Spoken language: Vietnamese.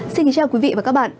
xin chào quý vị và các bạn